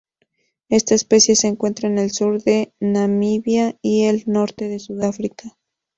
Esta especie se encuentra en el sur de Namibia y el norte de Sudáfrica.